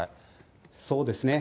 そうですね。